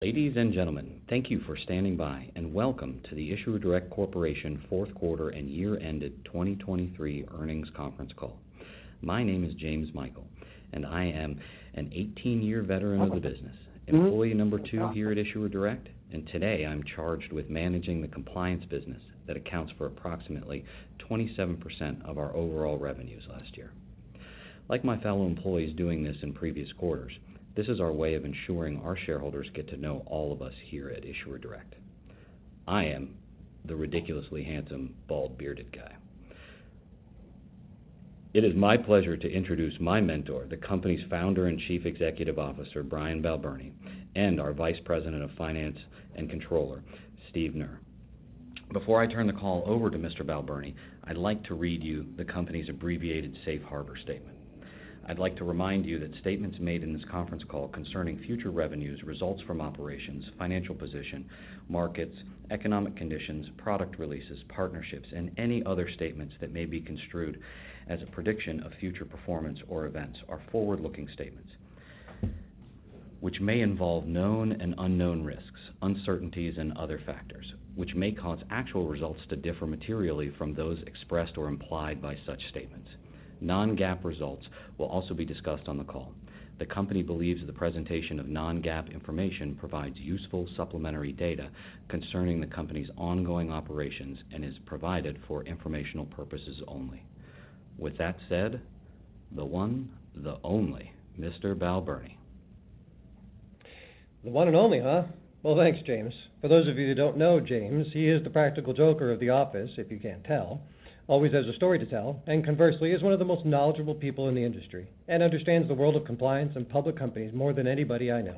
Ladies and gentlemen, thank you for standing by, and welcome to the Issuer Direct Corporation fourth-quarter and year-ended 2023 earnings conference call. My name is James Michael, and I am an 18-year veteran of the business, employee number two here at Issuer Direct, and today I'm charged with managing the compliance business that accounts for approximately 27% of our overall revenues last year. Like my fellow employees doing this in previous quarters, this is our way of ensuring our shareholders get to know all of us here at Issuer Direct. I am the ridiculously handsome, bald-bearded guy. It is my pleasure to introduce my mentor, the company's founder and Chief Executive Officer, Brian Balbirnie, and our Vice President of Finance and Controller, Steve Knerr. Before I turn the call over to Mr. Balbirnie, I'd like to read you the company's abbreviated Safe Harbor Statement. I'd like to remind you that statements made in this conference call concerning future revenues result from operations, financial position, markets, economic conditions, product releases, partnerships, and any other statements that may be construed as a prediction of future performance or events are forward-looking statements, which may involve known and unknown risks, uncertainties, and other factors, which may cause actual results to differ materially from those expressed or implied by such statements. Non-GAAP results will also be discussed on the call. The company believes the presentation of non-GAAP information provides useful supplementary data concerning the company's ongoing operations and is provided for informational purposes only. With that said, the one, the only, Mr. Balbirnie. The one and only, huh? Well, thanks, James. For those of you that don't know James, he is the practical joker of the office, if you can't tell, always has a story to tell, and conversely is one of the most knowledgeable people in the industry and understands the world of compliance and public companies more than anybody I know.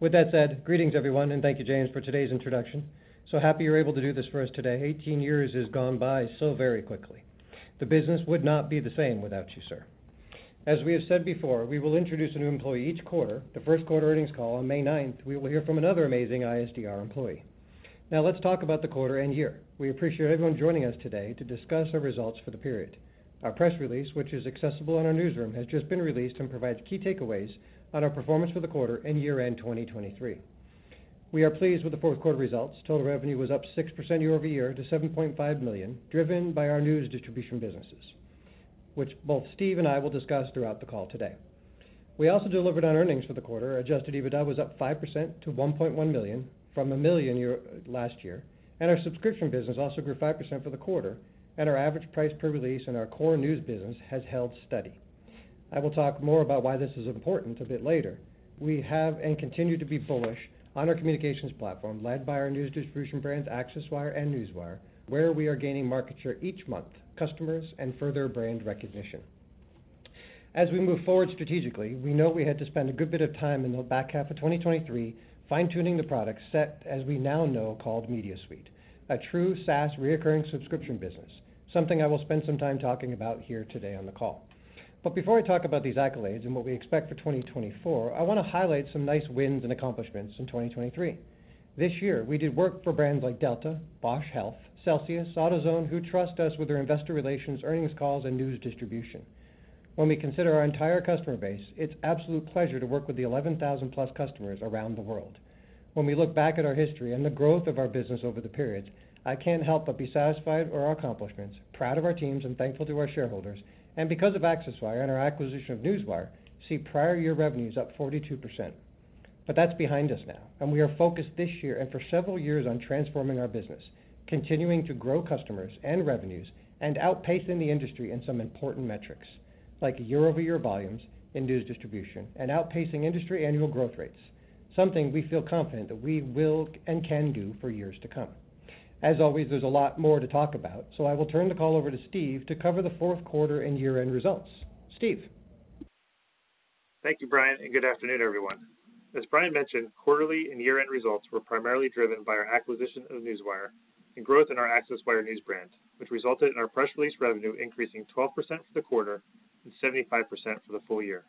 With that said, greetings, everyone, and thank you, James, for today's introduction. So happy you're able to do this for us today. 18 years has gone by so very quickly. The business would not be the same without you, sir. As we have said before, we will introduce a new employee each quarter. The first-quarter earnings call on May 9th, we will hear from another amazing ISDR employee. Now let's talk about the quarter and year. We appreciate everyone joining us today to discuss our results for the period. Our press release, which is accessible in our newsroom, has just been released and provides key takeaways on our performance for the quarter and year-end 2023. We are pleased with the fourth-quarter results. Total revenue was up 6% year-over-year to $7.5 million, driven by our news distribution businesses, which both Steve and I will discuss throughout the call today. We also delivered on earnings for the quarter. Adjusted EBITDA was up 5% to $1.1 million from $1 million last year, and our subscription business also grew 5% for the quarter, and our average price per release in our core news business has held steady. I will talk more about why this is important a bit later. We have and continue to be bullish on our communications platform led by our news distribution brands ACCESSWIRE and Newswire, where we are gaining market share each month, customers, and further brand recognition. As we move forward strategically, we know we had to spend a good bit of time in the back half of 2023 fine-tuning the product set, as we now know, called Media Suite, a true SaaS recurring subscription business, something I will spend some time talking about here today on the call. But before I talk about these accolades and what we expect for 2024, I want to highlight some nice wins and accomplishments in 2023. This year, we did work for brands like Delta, Bausch Health, Celsius, AutoZone, who trust us with their investor relations, earnings calls, and news distribution. When we consider our entire customer base, it's absolute pleasure to work with the 11,000+ customers around the world. When we look back at our history and the growth of our business over the periods, I can't help but be satisfied with our accomplishments, proud of our teams, and thankful to our shareholders, and because of ACCESSWIRE and our acquisition of Newswire, see prior year revenues up 42%. But that's behind us now, and we are focused this year and for several years on transforming our business, continuing to grow customers and revenues, and outpacing the industry in some important metrics like year-over-year volumes in news distribution and outpacing industry annual growth rates, something we feel confident that we will and can do for years to come. As always, there's a lot more to talk about, so I will turn the call over to Steve to cover the fourth quarter and year-end results. Steve. Thank you, Brian, and good afternoon, everyone. As Brian mentioned, quarterly and year-end results were primarily driven by our acquisition of Newswire and growth in our ACCESSWIRE news brand, which resulted in our press release revenue increasing 12% for the quarter and 75% for the full year.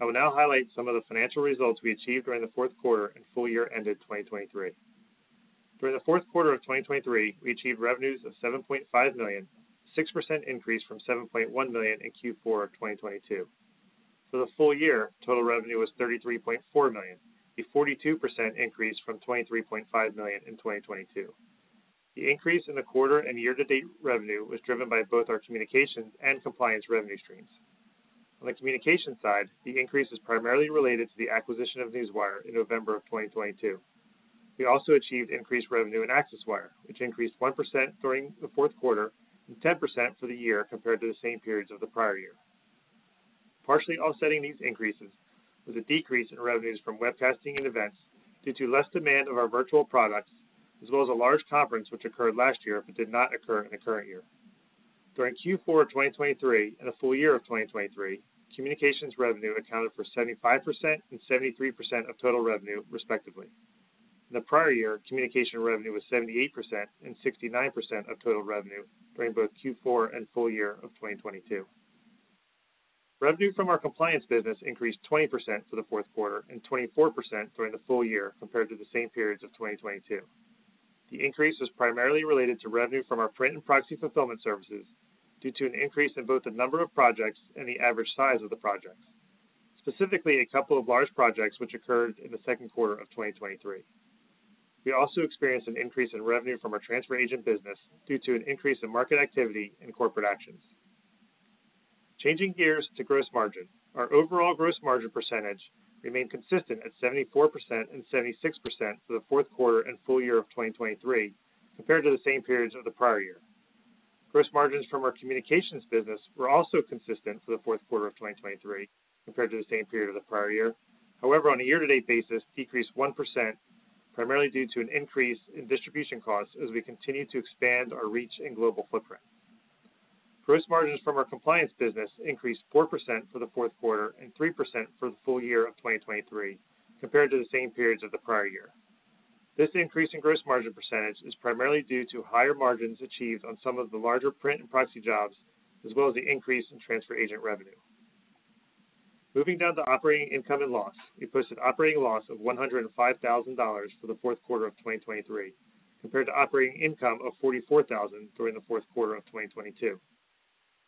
I will now highlight some of the financial results we achieved during the fourth quarter and full year-ended 2023. During the fourth quarter of 2023, we achieved revenues of $7.5 million, a 6% increase from $7.1 million in Q4 of 2022. For the full year, total revenue was $33.4 million, a 42% increase from $23.5 million in 2022. The increase in the quarter and year-to-date revenue was driven by both our communications and compliance revenue streams. On the communications side, the increase is primarily related to the acquisition of Newswire in November of 2022. We also achieved increased revenue in ACCESSWIRE, which increased 1% during the fourth quarter and 10% for the year compared to the same periods of the prior year. Partially offsetting these increases was a decrease in revenues from webcasting and events due to less demand of our virtual products, as well as a large conference which occurred last year but did not occur in the current year. During Q4 of 2023 and the full year of 2023, communications revenue accounted for 75% and 73% of total revenue, respectively. In the prior year, communication revenue was 78% and 69% of total revenue during both Q4 and full year of 2022. Revenue from our compliance business increased 20% for the fourth quarter and 24% during the full year compared to the same periods of 2022. The increase was primarily related to revenue from our print and proxy fulfillment services due to an increase in both the number of projects and the average size of the projects, specifically a couple of large projects which occurred in the second quarter of 2023. We also experienced an increase in revenue from our transfer agent business due to an increase in market activity and corporate actions. Changing gears to gross margin, our overall gross margin percentage remained consistent at 74% and 76% for the fourth quarter and full year of 2023 compared to the same periods of the prior year. Gross margins from our communications business were also consistent for the fourth quarter of 2023 compared to the same period of the prior year, however, on a year-to-date basis decreased 1% primarily due to an increase in distribution costs as we continue to expand our reach and global footprint. Gross margins from our compliance business increased 4% for the fourth quarter and 3% for the full year of 2023 compared to the same periods of the prior year. This increase in gross margin percentage is primarily due to higher margins achieved on some of the larger print and proxy jobs, as well as the increase in transfer agent revenue. Moving down to operating income and loss, we posted operating loss of $105,000 for the fourth quarter of 2023 compared to operating income of $44,000 during the fourth quarter of 2022.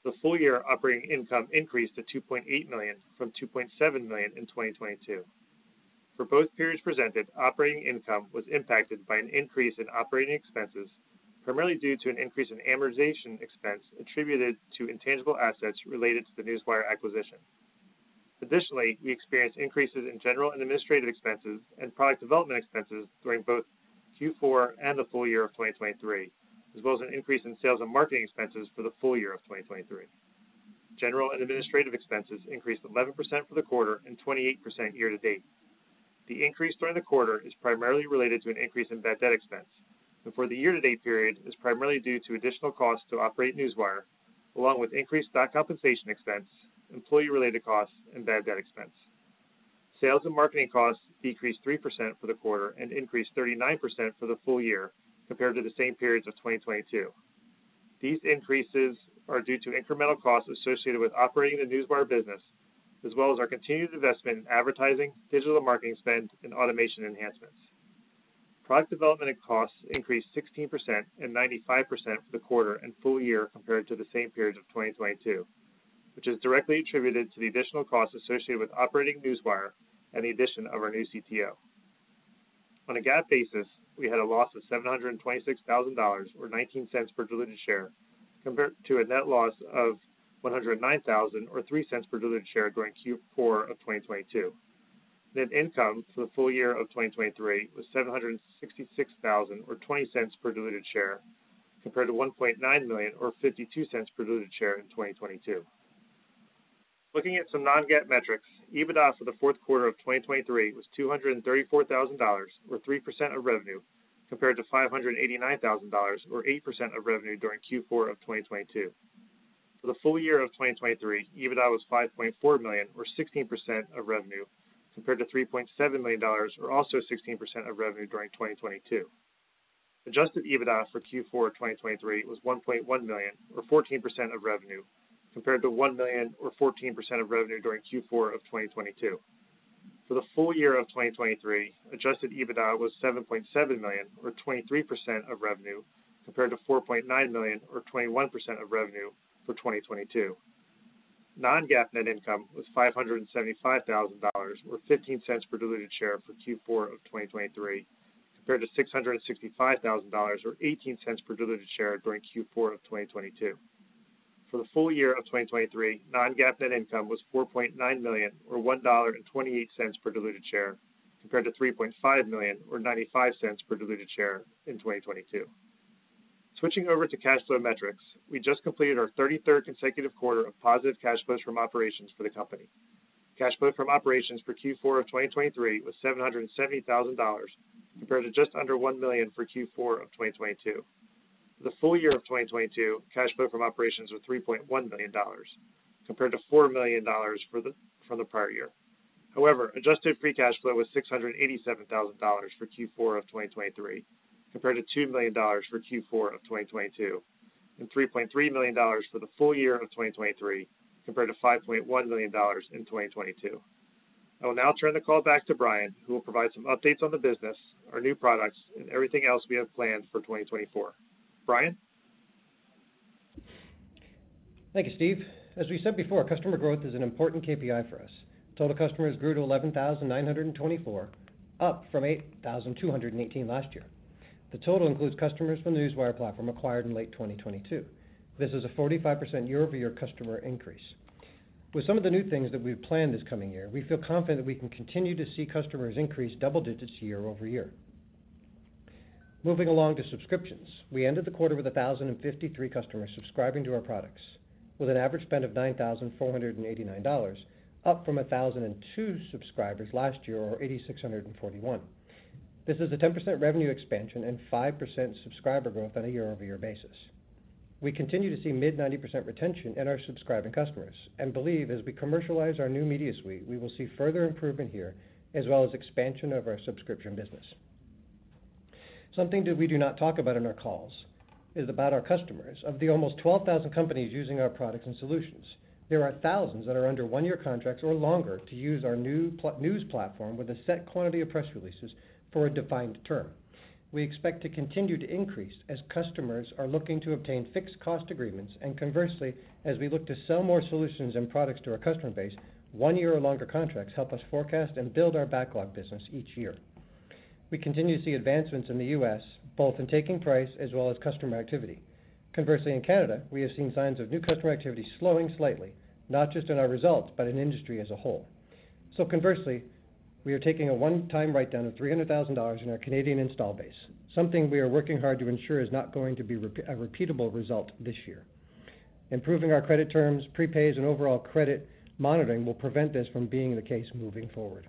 The full year operating income increased to $2.8 million from $2.7 million in 2022. For both periods presented, operating income was impacted by an increase in operating expenses, primarily due to an increase in amortization expense attributed to intangible assets related to the Newswire acquisition. Additionally, we experienced increases in general and administrative expenses and product development expenses during both Q4 and the full year of 2023, as well as an increase in sales and marketing expenses for the full year of 2023. General and administrative expenses increased 11% for the quarter and 28% year to date. The increase during the quarter is primarily related to an increase in bad debt expense, and for the year-to-date period is primarily due to additional costs to operate Newswire, along with increased stock compensation expense, employee-related costs, and bad debt expense. Sales and marketing costs decreased 3% for the quarter and increased 39% for the full year compared to the same periods of 2022. These increases are due to incremental costs associated with operating the Newswire business, as well as our continued investment in advertising, digital and marketing spend, and automation enhancements. Product development and costs increased 16% and 95% for the quarter and full year compared to the same periods of 2022, which is directly attributed to the additional costs associated with operating Newswire and the addition of our new CTO. On a GAAP basis, we had a loss of $726,000 or $0.19 per diluted share compared to a net loss of $109,000 or $0.03 per diluted share during Q4 of 2022. Net income for the full year of 2023 was $766,000 or $0.20 per diluted share compared to $1.9 million or $0.52 per diluted share in 2022. Looking at some non-GAAP metrics, EBITDA for the fourth quarter of 2023 was $234,000 or 3% of revenue compared to $589,000 or 8% of revenue during Q4 of 2022. For the full year of 2023, EBITDA was $5.4 million or 16% of revenue compared to $3.7 million or also 16% of revenue during 2022. Adjusted EBITDA for Q4 of 2023 was $1.1 million or 14% of revenue compared to $1 million or 14% of revenue during Q4 of 2022. For the full year of 2023, adjusted EBITDA was $7.7 million or 23% of revenue compared to $4.9 million or 21% of revenue for 2022. Non-GAAP net income was $575,000 or $0.15 per diluted share for Q4 of 2023 compared to $665,000 or $0.18 per diluted share during Q4 of 2022. For the full year of 2023, non-GAAP net income was $4.9 million or $1.28 per diluted share compared to $3.5 million or $0.95 per diluted share in 2022. Switching over to cash flow metrics, we just completed our 33rd consecutive quarter of positive cash flows from operations for the company. Cash flow from operations for Q4 of 2023 was $770,000 compared to just under $1 million for Q4 of 2022. For the full year of 2022, cash flow from operations was $3.1 million compared to $4 million from the prior year. However, adjusted free cash flow was $687,000 for Q4 of 2023 compared to $2 million for Q4 of 2022 and $3.3 million for the full year of 2023 compared to $5.1 million in 2022. I will now turn the call back to Brian, who will provide some updates on the business, our new products, and everything else we have planned for 2024. Brian? Thank you, Steve. As we said before, customer growth is an important KPI for us. Total customers grew to 11,924, up from 8,218 last year. The total includes customers from the Newswire platform acquired in late 2022. This is a 45% year-over-year customer increase. With some of the new things that we've planned this coming year, we feel confident that we can continue to see customers increase double digits year over year. Moving along to subscriptions, we ended the quarter with 1,053 customers subscribing to our products, with an average spend of $9,489, up from 1,002 subscribers last year or $8,641. This is a 10% revenue expansion and 5% subscriber growth on a year-over-year basis. We continue to see mid-90% retention in our subscribing customers and believe, as we commercialize our new Media Suite, we will see further improvement here as well as expansion of our subscription business. Something that we do not talk about in our calls is about our customers, of the almost 12,000 companies using our products and solutions. There are thousands that are under one-year contracts or longer to use our news platform with a set quantity of press releases for a defined term. We expect to continue to increase as customers are looking to obtain fixed cost agreements, and conversely, as we look to sell more solutions and products to our customer base, one-year or longer contracts help us forecast and build our backlog business each year. We continue to see advancements in the U.S., both in taking price as well as customer activity. Conversely, in Canada, we have seen signs of new customer activity slowing slightly, not just in our results but in industry as a whole. So conversely, we are taking a one-time write-down of $300,000 in our Canadian install base, something we are working hard to ensure is not going to be a repeatable result this year. Improving our credit terms, prepays, and overall credit monitoring will prevent this from being the case moving forward.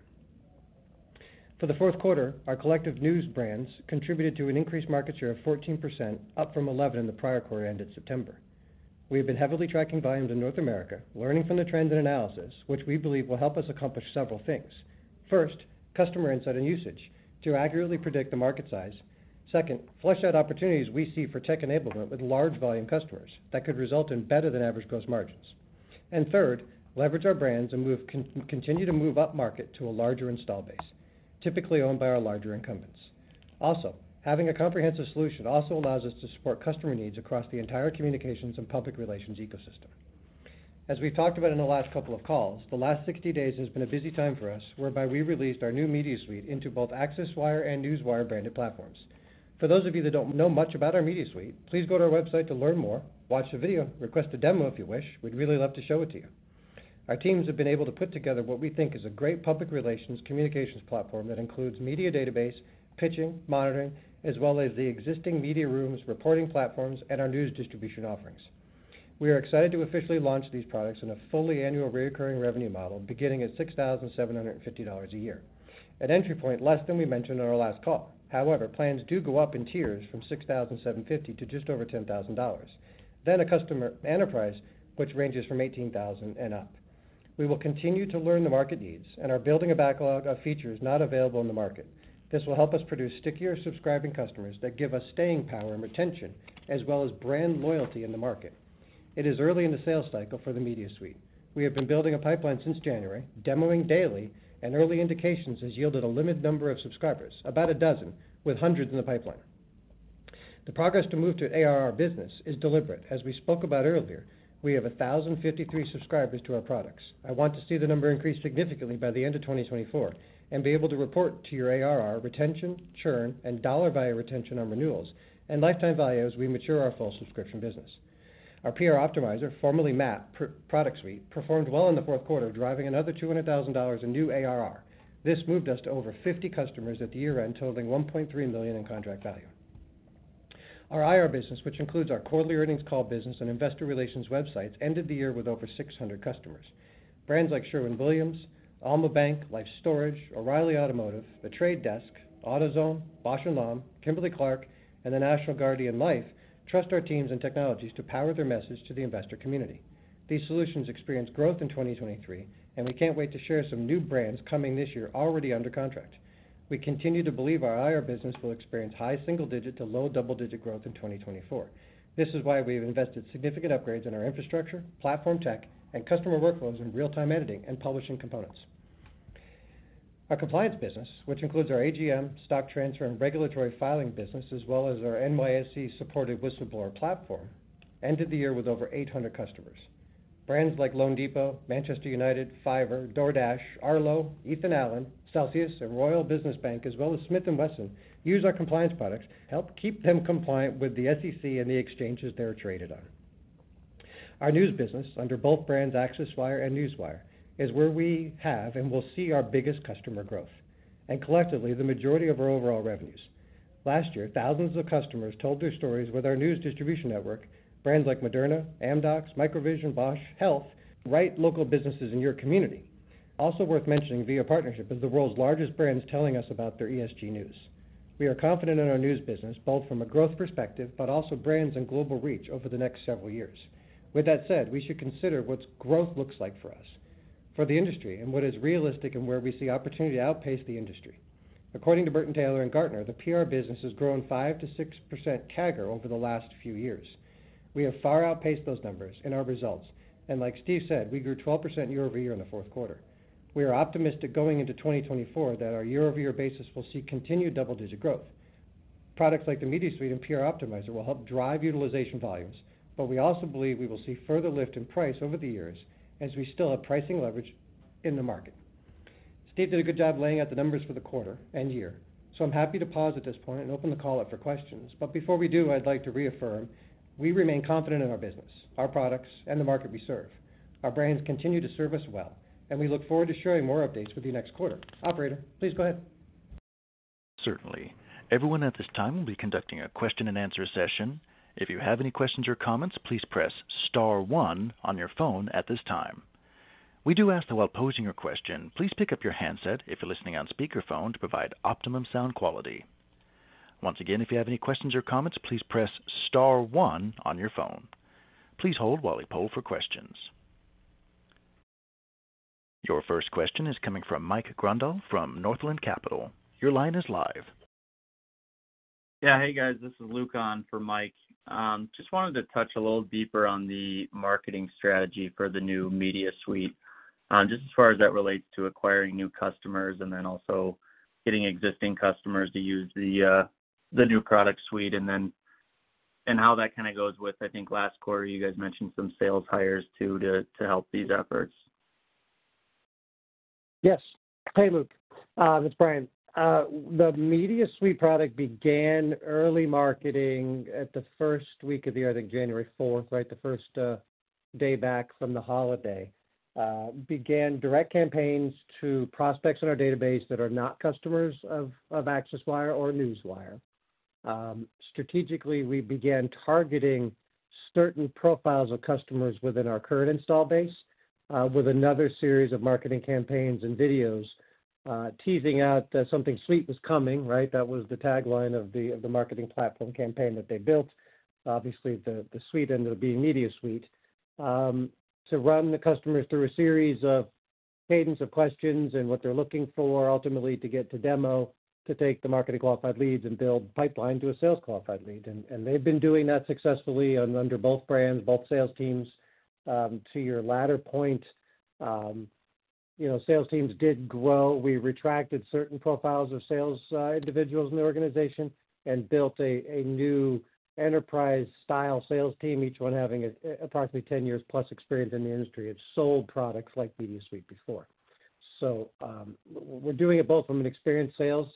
For the fourth quarter, our collective news brands contributed to an increased market share of 14%, up from 11% in the prior quarter-ended September. We have been heavily tracking volumes in North America, learning from the trends and analysis, which we believe will help us accomplish several things. First, customer insight and usage to accurately predict the market size. Second, flesh out opportunities we see for tech enablement with large-volume customers that could result in better-than-average gross margins. And third, leverage our brands and continue to move up market to a larger install base, typically owned by our larger incumbents. Also, having a comprehensive solution also allows us to support customer needs across the entire communications and public relations ecosystem. As we've talked about in the last couple of calls, the last 60 days has been a busy time for us whereby we released our new Media Suite into both ACCESSWIRE and Newswire branded platforms. For those of you that don't know much about our Media Suite, please go to our website to learn more, watch the video, request a demo if you wish. We'd really love to show it to you. Our teams have been able to put together what we think is a great public relations communications platform that includes media database, pitching, monitoring, as well as the existing media rooms, reporting platforms, and our news distribution offerings. We are excited to officially launch these products in a fully annual recurring revenue model beginning at $6,750 a year, an entry point less than we mentioned on our last call. However, plans do go up in tiers from $6,750 to just over $10,000, then a customer enterprise which ranges from $18,000 and up. We will continue to learn the market needs and are building a backlog of features not available in the market. This will help us produce stickier subscribing customers that give us staying power and retention as well as brand loyalty in the market. It is early in the sales cycle for the Media Suite. We have been building a pipeline since January, demoing daily, and early indications has yielded a limited number of subscribers, about a dozen, with hundreds in the pipeline. The progress to move to an ARR business is deliberate. As we spoke about earlier, we have 1,053 subscribers to our products. I want to see the number increase significantly by the end of 2024 and be able to report to your ARR retention, churn, and dollar-value retention on renewals and lifetime value as we mature our full subscription business. Our PR Optimizer, formerly MAP, Product Suite, performed well in the fourth quarter, driving another $200,000 in new ARR. This moved us to over 50 customers at the year-end, totaling $1.3 million in contract value. Our IR business, which includes our quarterly earnings call business and investor relations websites, ended the year with over 600 customers. Brands like Sherwin-Williams, Alma Bank, Life Storage, O'Reilly Automotive, The Trade Desk, AutoZone, Bausch + Lomb, Kimberly-Clark, and the National Guardian Life trust our teams and technologies to power their message to the investor community. These solutions experienced growth in 2023, and we can't wait to share some new brands coming this year already under contract. We continue to believe our IR business will experience high single-digit to low double-digit growth in 2024. This is why we have invested significant upgrades in our infrastructure, platform tech, and customer workflows in real-time editing and publishing components. Our compliance business, which includes our AGM, stock transfer, and regulatory filing business, as well as our NYSE-supported whistleblower platform, ended the year with over 800 customers. Brands like loanDepot, Manchester United, Fiverr, DoorDash, Arlo, Ethan Allen, Celsius, and Royal Business Bank, as well as Smith & Wesson, use our compliance products. Help keep them compliant with the SEC and the exchanges they're traded on. Our news business, under both brands ACCESSWIRE and Newswire, is where we have and will see our biggest customer growth, and collectively the majority of our overall revenues. Last year, thousands of customers told their stories with our news distribution network. Brands like Moderna, Amdocs, MicroVision, Bausch Health. Right local businesses in your community. Also worth mentioning via partnership is the world's largest brands telling us about their ESG news. We are confident in our news business, both from a growth perspective but also brands and global reach over the next several years. With that said, we should consider what growth looks like for us, for the industry, and what is realistic and where we see opportunity to outpace the industry. According to Burton-Taylor and Gartner, the PR business has grown 5%-6% CAGR over the last few years. We have far outpaced those numbers in our results, and like Steve said, we grew 12% year-over-year in the fourth quarter. We are optimistic going into 2024 that our year-over-year basis will see continued double-digit growth. Products like the Media Suite and PR Optimizer will help drive utilization volumes, but we also believe we will see further lift in price over the years as we still have pricing leverage in the market. Steve did a good job laying out the numbers for the quarter and year, so I'm happy to pause at this point and open the call up for questions. But before we do, I'd like to reaffirm we remain confident in our business, our products, and the market we serve. Our brands continue to serve us well, and we look forward to sharing more updates with you next quarter. Operator, please go ahead. Certainly. Everyone at this time will be conducting a question-and-answer session. If you have any questions or comments, please press star one on your phone at this time. We do ask that while posing your question, please pick up your handset if you're listening on speakerphone to provide optimum sound quality. Once again, if you have any questions or comments, please press star one on your phone. Please hold while we poll for questions. Your first question is coming from Mike Grondahl from Northland Capital. Your line is live. Yeah, hey guys. This is Luke on for Mike. Just wanted to touch a little deeper on the marketing strategy for the new Media Suite, just as far as that relates to acquiring new customers and then also getting existing customers to use the new product suite and how that kind of goes with, I think, last quarter you guys mentioned some sales hires too to help these efforts. Yes. Hey Luke. It's Brian. The Media Suite product began early marketing at the first week of the year, I think January 4th, right, the first day back from the holiday. Began direct campaigns to prospects in our database that are not customers of ACCESSWIRE or Newswire. Strategically, we began targeting certain profiles of customers within our current install base with another series of marketing campaigns and videos teasing out that something sweet was coming, right? That was the tagline of the marketing platform campaign that they built. Obviously, the suite ended up being Media Suite, to run the customers through a series of cadence of questions and what they're looking for, ultimately to get to demo, to take the marketing qualified leads and build pipeline to a sales qualified lead. And they've been doing that successfully under both brands, both sales teams. To your latter point, sales teams did grow. We retracted certain profiles of sales individuals in the organization and built a new enterprise-style sales team, each one having approximately 10+ years experience in the industry. It's sold products like Media Suite before. So we're doing it both from an experienced sales,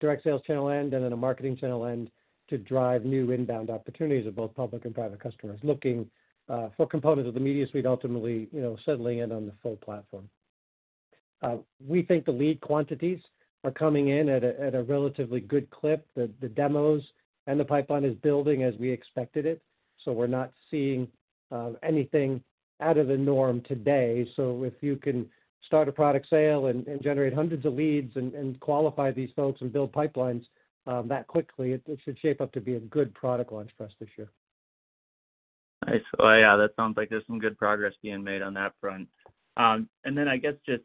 direct sales channel end, and then a marketing channel end to drive new inbound opportunities of both public and private customers looking for components of the Media Suite ultimately settling in on the full platform. We think the lead quantities are coming in at a relatively good clip. The demos and the pipeline is building as we expected it. So we're not seeing anything out of the norm today. So if you can start a product sale and generate hundreds of leads and qualify these folks and build pipelines that quickly, it should shape up to be a good product launch for us this year. Nice. Well, yeah, that sounds like there's some good progress being made on that front. I guess just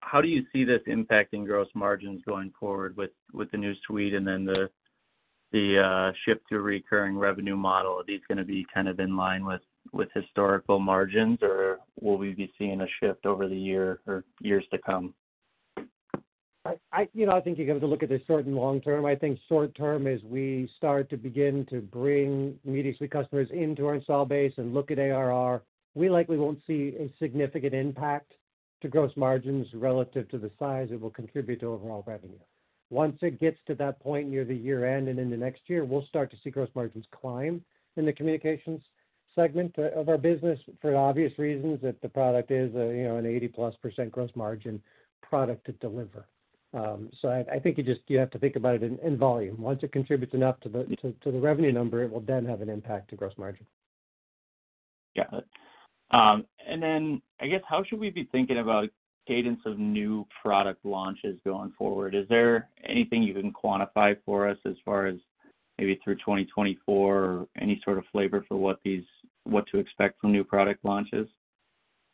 how do you see this impacting gross margins going forward with the new suite and then the shift to a recurring revenue model? Are these going to be kind of in line with historical margins, or will we be seeing a shift over the year or years to come? I think you have to look at this short and long term. I think short term, as we start to begin to bring Media Suite customers into our install base and look at ARR, we likely won't see a significant impact to gross margins relative to the size it will contribute to overall revenue. Once it gets to that point near the year-end and in the next year, we'll start to see gross margins climb in the communications segment of our business for obvious reasons that the product is an 80%+ gross margin product to deliver. So I think you have to think about it in volume. Once it contributes enough to the revenue number, it will then have an impact to gross margin. Got it. And then I guess how should we be thinking about cadence of new product launches going forward? Is there anything you can quantify for us as far as maybe through 2024 or any sort of flavor for what to expect from new product launches?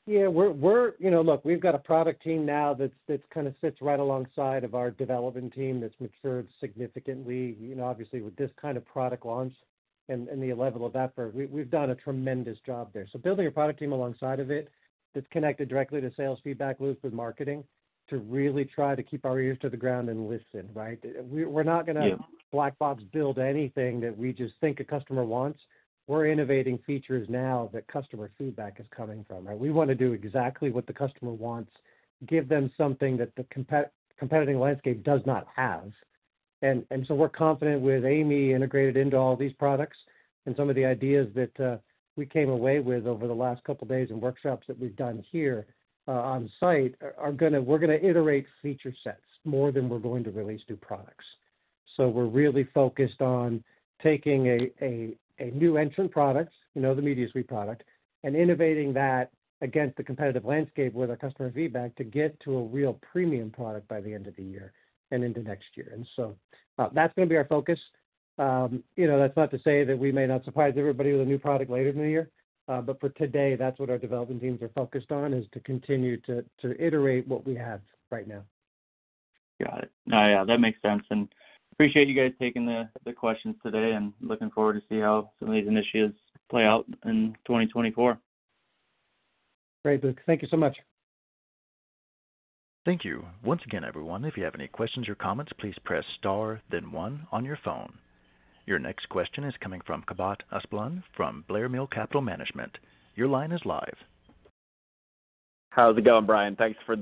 Yeah. Look, we've got a product team now that kind of sits right alongside of our development team that's matured significantly. Obviously, with this kind of product launch and the level of effort, we've done a tremendous job there. So building a product team alongside of it that's connected directly to sales feedback loops with marketing to really try to keep our ears to the ground and listen, right? We're not going to black box build anything that we just think a customer wants. We're innovating features now that customer feedback is coming from, right? We want to do exactly what the customer wants, give them something that the competing landscape does not have. And so we're confident with AI integrated into all these products and some of the ideas that we came away with over the last couple of days and workshops that we've done here on-site are going to iterate feature sets more than we're going to release new products. So we're really focused on taking a new entrant product, the Media Suite product, and innovating that against the competitive landscape with our customer feedback to get to a real premium product by the end of the year and into next year. And so that's going to be our focus. That's not to say that we may not surprise everybody with a new product later in the year, but for today, that's what our development teams are focused on, is to continue to iterate what we have right now. Got it. Yeah, yeah. That makes sense. And appreciate you guys taking the questions today and looking forward to see how some of these initiatives play out in 2024. Great, Luke. Thank you so much. Thank you. Once again, everyone, if you have any questions or comments, please press star, then one, on your phone. Your next question is coming from Kabat Asblan from Blair Mill Capital Management. Your line is live. How's it going, Brian? Thanks for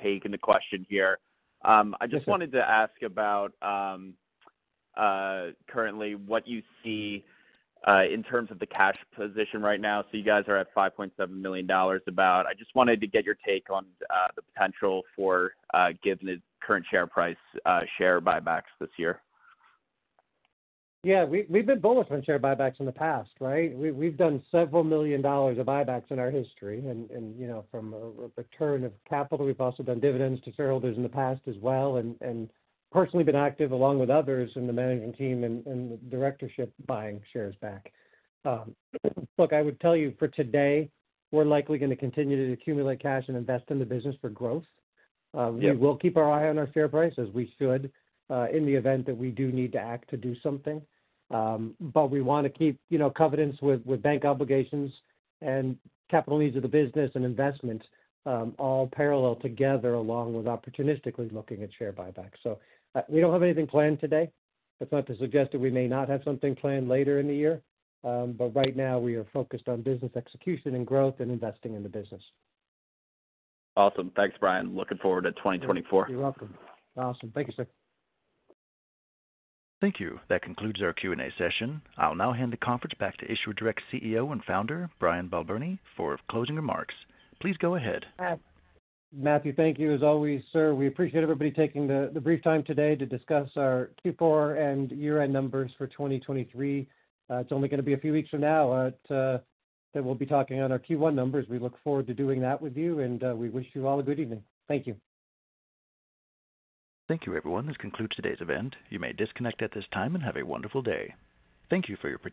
taking the question here. I just wanted to ask about currently what you see in terms of the cash position right now. So you guys are at $5.7 million about. I just wanted to get your take on the potential for given the current share price, share buybacks this year. Yeah. We've been bullish on share buybacks in the past, right? We've done several million dollars of buybacks in our history. From a return of capital, we've also done dividends to shareholders in the past as well and personally been active along with others in the management team and the directorship buying shares back. Look, I would tell you for today, we're likely going to continue to accumulate cash and invest in the business for growth. We will keep our eye on our share price as we should in the event that we do need to act to do something. We want to keep covenants with bank obligations and capital needs of the business and investment all parallel together along with opportunistically looking at share buybacks. We don't have anything planned today. It's not to suggest that we may not have something planned later in the year, but right now we are focused on business execution and growth and investing in the business. Awesome. Thanks, Brian. Looking forward to 2024. You're welcome. Awesome. Thank you, sir. Thank you. That concludes our Q&A session. I'll now hand the conference back to Issuer Direct CEO and founder, Brian Balbirnie, for closing remarks. Please go ahead. Matthew, thank you as always, sir. We appreciate everybody taking the brief time today to discuss our Q4 and year-end numbers for 2023. It's only going to be a few weeks from now that we'll be talking on our Q1 numbers. We look forward to doing that with you, and we wish you all a good evening. Thank you. Thank you, everyone. This concludes today's event. You may disconnect at this time and have a wonderful day. Thank you for your patience.